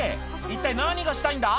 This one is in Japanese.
一体何がしたいんだ？